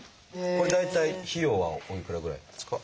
これ大体費用はおいくらぐらいなんですか？